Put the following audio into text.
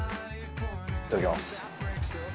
いただきます。